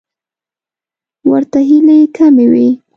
ورته هیلې کمې وې.